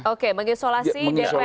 oke mengisolasi dpr dengan rakyatnya